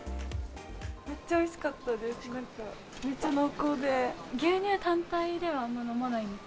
めっちゃおいしかったです。